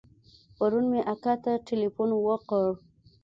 پرون مې اکا ته ټېلفون وکړ.